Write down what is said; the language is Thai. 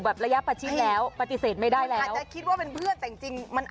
เอออ๋อเหรอคุณจะคุยกับงู